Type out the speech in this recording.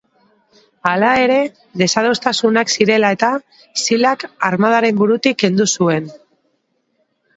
Hala ere, desadostasunak zirela eta, Silak armadaren burutik kendu zuen.